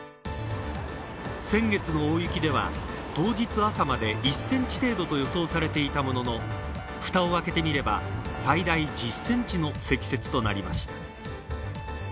先月の大雪では、当日朝までに１センチ程度と予想されていたものの、ふたを開けてみれば最大１０センチの積雪となりました。